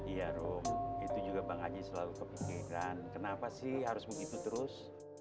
iya rom itu juga bang haji selalu kepikiran kenapa sih harus begitu terus